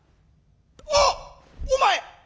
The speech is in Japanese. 「あっ！お前！